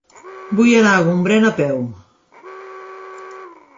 Vull anar a Gombrèn a peu.